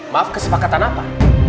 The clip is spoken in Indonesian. maaf kesepakatan apa